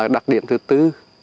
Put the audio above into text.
đặc điểm thứ tư